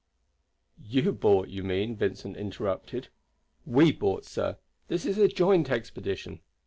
"You bought, you mean," Vincent interrupted. "We bought, sir; this is a joint expedition.